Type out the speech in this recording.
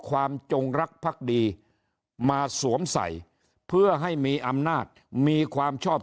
จงรักพักดีมาสวมใส่เพื่อให้มีอำนาจมีความชอบ